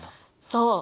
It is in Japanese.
そう。